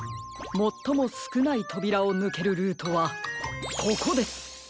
もっともすくないとびらをぬけるルートはここです！